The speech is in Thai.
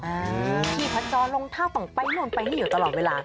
ที่พัดจอลงเท่าต่อไปนู่นไปให้อยู่ตลอดเวลา